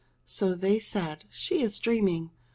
So they said, "She is dreaming.